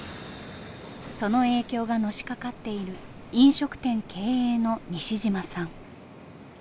その影響がのしかかっている飲食店経営の西嶋さん。